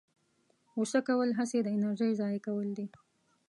غوسه کول هسې د انرژۍ ضایع کول دي.